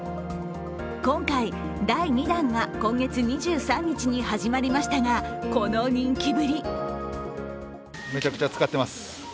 今回、第２弾が今月２３日に始まりましたが、この人気ぶり。